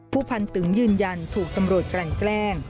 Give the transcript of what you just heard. พันตึงยืนยันถูกตำรวจกลั่นแกล้ง